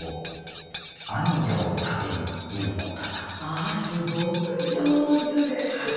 あすごく上手ですね！